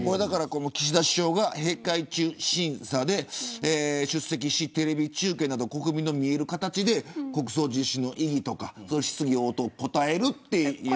岸田首相が閉会中審査で出席しテレビ中継など国民の見える形で国葬実施の意義、質疑応答答えるというふうに。